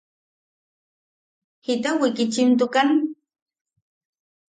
–¿Jita wikichimtukan?